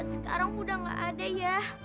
sekarang udah gak ada ya